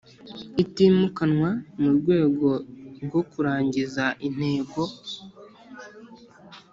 itimukanwa mu rwego rwo kurangiza intego